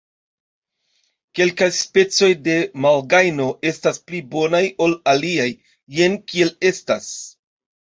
Kelkaj specoj de malgajno estas pli bonaj ol aliaj, jen kiel estas.